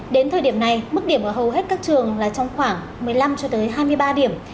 đến thời điểm này mức điểm ở hầu hết các trường là trong khoảng một mươi năm cho tới hai mươi ba điểm